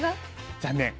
残念。